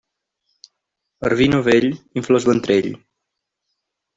El vi novell infla el ventrell.